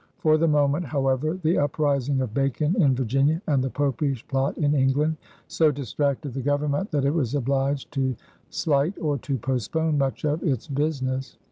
For the moment, however, the uprising of Bacon in Virginia and the Popish Plot in England so distracted the Government that it was obliged to slight or to postpone much of its business.